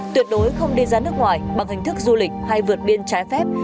tuyệt đối không đi ra nước ngoài bằng hình thức du lịch hay vượt biên trái phép